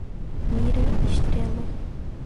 Mira Estrela